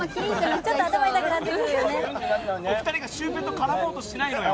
お二人がシュウペイと絡もうとしないのよ。